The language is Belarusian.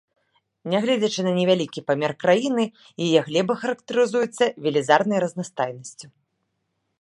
Нягледзячы на невялікі памер краіны, яе глебы характарызуюцца велізарнай разнастайнасцю.